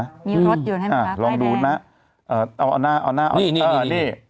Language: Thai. อยู่รถครับแม่แดงลองดูนะเอาหน้านี่